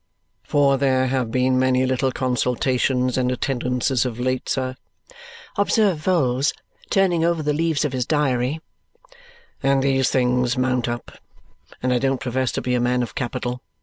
"For there have been many little consultations and attendances of late, sir," observes Vholes, turning over the leaves of his diary, "and these things mount up, and I don't profess to be a man of capital.